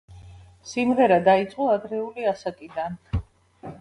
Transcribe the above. სიმღერა დაიწყო ადრეული ასაკიდან.